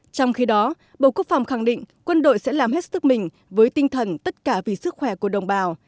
trong khi đó bộ quốc phòng khẳng định quân đội sẽ làm hết sức mình với tinh thần tất cả vì sức khỏe của đồng bào